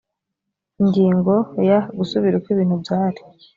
ingingo ya gusubira uko ibintu byari